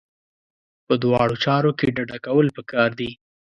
په دواړو چارو کې ډډه کول پکار دي.